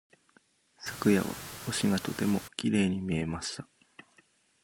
昨夜は星がとてもきれいに見えました。